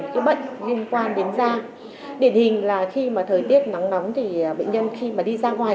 cái bệnh liên quan đến da điển hình là khi mà thời tiết nắng nóng thì bệnh nhân khi mà đi ra ngoài